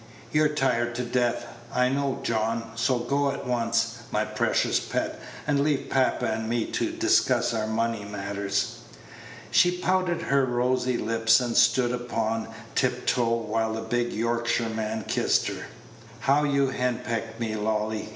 You're tired to death, I know, John; so go at once, my precious pet, and leave papa and me to discuss our money matters." She pouted her rosy lips, and stood upon tiptoe, while the big Yorkshireman kissed her. "How you do henpeck me, Lolly!"